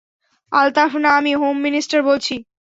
আলতাফ না আমি home minister বলছি।